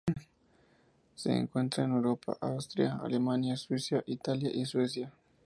Se encuentra en Europa: Austria, Alemania, Suiza, Italia y Suecia.